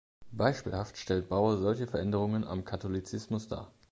Beispielhaft stellt Bauer solche Veränderungen am Katholizismus dar.